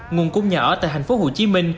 nguồn cung nhà ở tại tp hcm